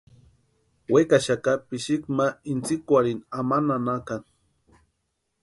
Wekaxaka pixiki ma intsïkwarhini ama nanakani.